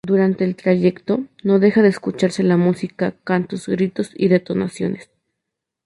Durante el trayecto no deja de escucharse la música, cantos, gritos y detonaciones.